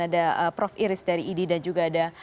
ada prof iris dari idi dan juga ada